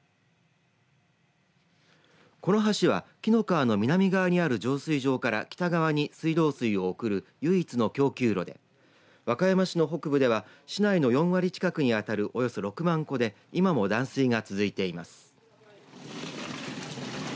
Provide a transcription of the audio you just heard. この橋は、紀の川の南側にある浄水場から北側に水道水を送る唯一の供給路で和歌山市の北部では市内の４割近くに当たるおよそ６万戸で今も断水が続いています。